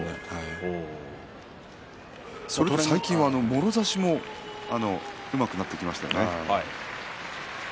それから最近はもろ差しもうまくなってきましたね。